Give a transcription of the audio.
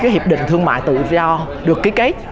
hiệp định thương mại tự do được ký kết